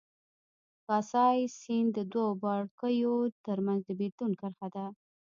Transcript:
کاسای سیند د دوو پاړکیو ترمنځ د بېلتون کرښه ده.